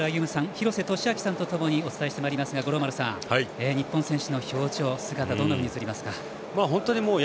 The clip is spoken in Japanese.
廣瀬俊朗さんとともにお伝えしてまいりますが五郎丸さん、日本代表の選手の姿どんなふうに映りますか？